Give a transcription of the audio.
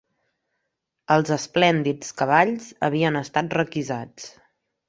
Els esplèndids cavalls havien estat requisats